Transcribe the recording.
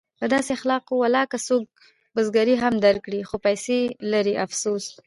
په داسې اخلاقو ولاکه څوک بزګري هم درکړي خو پیسې لري افسوس!